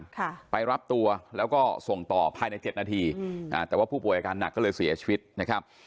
ค่ะไปรับตัวแล้วก็ส่งต่อภายในเจ็ดนาทีอืมอ่าแต่ว่าผู้ป่วยอาการหนักก็เลยเสียชีวิตนะครับ